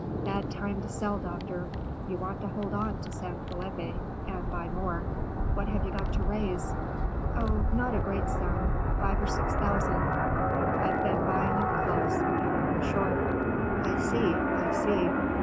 "Bad time to sell, doctor. You want to hold on to San Felipe, and buy more. What have you got to raise?" "Oh, not a great sum. Five or six thousand. I've been buying up close and have run short." "I see, I see.